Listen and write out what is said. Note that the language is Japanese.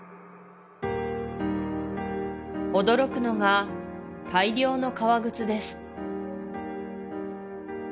驚くのが大量の革靴です